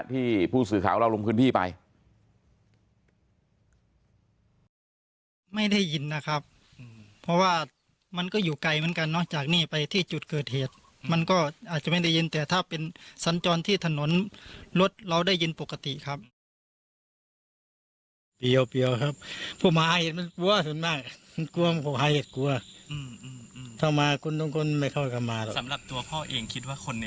ผู้สื่อข่าวเราลงพื้นที่ไป